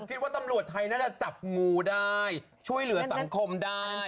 คิดว่าตำรวจไทยน่าจะจับงูได้ช่วยเหลือสังคมได้